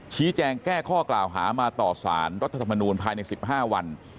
แจ้งแก้ข้อกล่าวหามาต่อสารรัฐธรรมนูลภายใน๑๕วัน